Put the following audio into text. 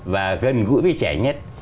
và gần gũi với trẻ nhất